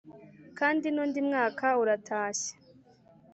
kandi n` undi mwaka uratashye